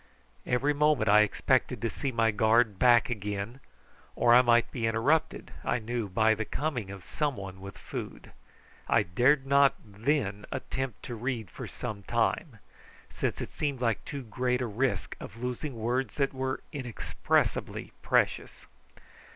Every moment I expected to see my guard back again, or I might be interrupted, I knew, by the coming of some one with food. I dared not then attempt to read for some time, since it seemed like too great a risk of losing words that were inexpressibly precious.